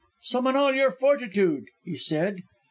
"'Summon all your fortitude,' he said.